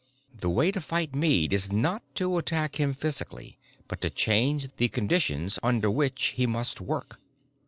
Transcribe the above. "The way to fight Meade is not to attack him physically but to change the conditions under which he must work."